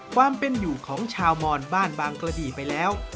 ความเป็นอยู่ของชาวมอนบ้านบางกระดีไปแล้ว